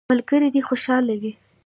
ملګري دي خوشحاله وي.